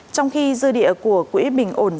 trong khi dư địa của quý bình ổn xăng dầu